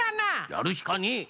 やるしかねえ！